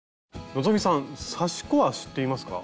希さん刺し子は知っていますか？